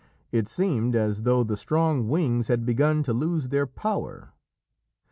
It seemed as though the strong wings had begun to lose their power.